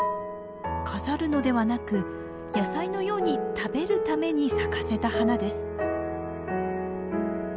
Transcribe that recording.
飾るのではなく野菜のように食べるために咲かせた花です。